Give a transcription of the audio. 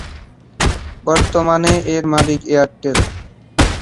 বর্তমানে এর মালিক এয়ারটেল।